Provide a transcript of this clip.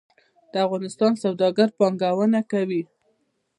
د افغانستان سوداګر پانګونه کوي